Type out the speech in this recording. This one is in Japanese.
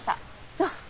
そう。